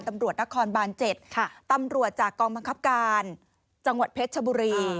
ตำรวจนครบาน๗ตำรวจจากกองบังคับการจังหวัดเพชรชบุรี